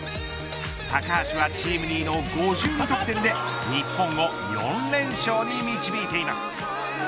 高橋はチーム２位の５２得点で日本を４連勝に導いています。